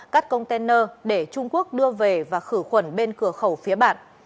cắt container để trung quốc đưa về và khử khuẩn bên cửa khẩu phía bạn